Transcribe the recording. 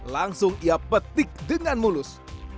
langsung ia petik dengan mulus